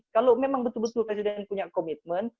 kalau memang betul betul presiden punya komitmen